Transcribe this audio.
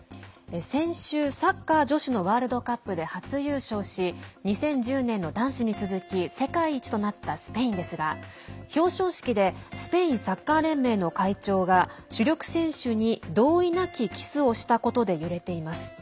先週、サッカー女子のワールドカップで初優勝し２０１０年の男子に続き世界一となったスペインですが表彰式でスペインサッカー連盟の会長が主力選手に同意なきキスをしたことで揺れています。